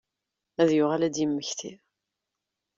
Ad yuɣal ad d-yemmekti.